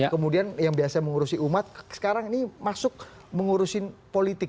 kemudian yang biasa mengurusi umat sekarang ini masuk mengurusin politik